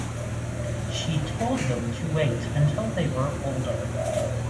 She told them to wait until they were older.